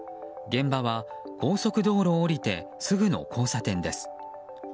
現場は高速道路を降りてすぐの交差点です。